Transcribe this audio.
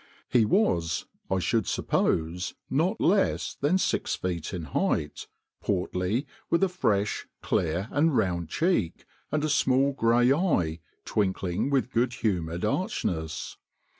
He was, I should suppose, not less than six feet in height, portly, with a fresh, clear, and round cheek, and a small gray eye, twinkling with good humoured archness.